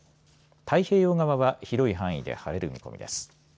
太平洋側は広い範囲で晴れる見込みです。